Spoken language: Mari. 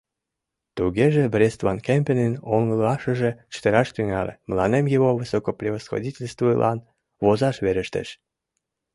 — Тугеже, — Брест-ван-Кемпенын оҥылашыже чытыраш тӱҥале, мыланем его высокопревосходительствылан возаш верештеш.